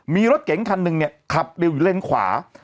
มีรถเก่งคันนึงขับเร็วอยู่เลนขวา